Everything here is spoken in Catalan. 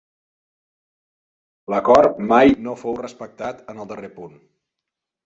L'acord mai no fou respectat en el darrer punt.